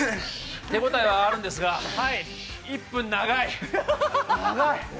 手応えはあるんですが、１分、長い。